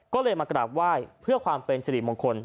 ก็เลยมากระดาบว่ายเพื่อความเป็นศรีมงคล